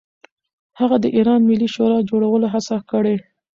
هغه د ایران ملي شورا جوړولو هڅه کړې.